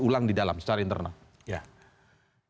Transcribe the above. ulang di dalam secara internal ya